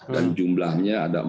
dan jumlahnya ada empat belas